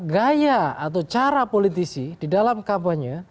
gaya atau cara politisi di dalam kampanye